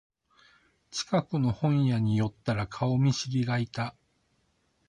近くの本屋に寄ったら顔見知りがいた